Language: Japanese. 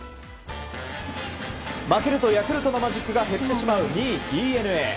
負けるとヤクルトのマジックが消えてしまう２位、ＤｅＮＡ。